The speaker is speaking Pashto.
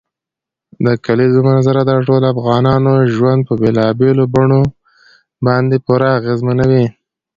د کلیزو منظره د ټولو افغانانو ژوند په بېلابېلو بڼو باندې پوره اغېزمنوي.